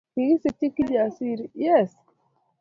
Kikisikchi Kijasiri mabanda neni esioi katuiyenyo